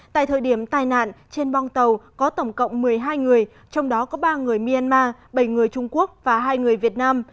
tại thời điểm tai nạn trên bong tàu có tổng cộng một mươi hai người trong đó có ba người myanmar bảy người trung quốc và hai người việt nam